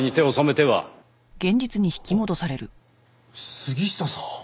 杉下さん。